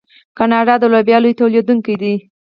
کاناډا د لوبیا لوی تولیدونکی دی.